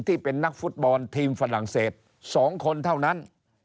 ที่เป็นนักฟุตบอลทีมฝรั่งเศส๒คนเท่านั้น